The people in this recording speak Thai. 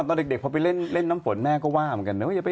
ต้องไหลมาตามหลังคา